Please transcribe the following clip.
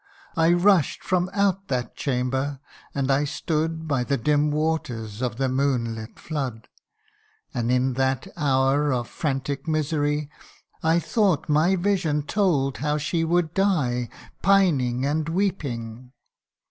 I rush'd from out that chamber, and I stood By the dim waters of the moon lit flood ; And in that hour of frantic misery, I thought my vision told how she would die, Pining and weeping.